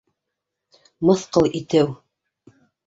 Мыҫҡыл итеү!